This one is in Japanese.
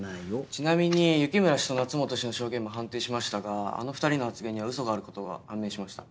ちなみに雪村と夏本の証言も判定しあの２人の発言にはウソがあることが判明しました。